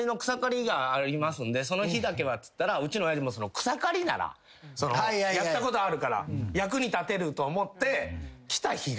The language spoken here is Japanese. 「その日だけは」っつったらうちの親父も草刈りならやったことあるから役に立てると思って来た日が。